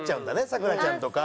咲楽ちゃんとか。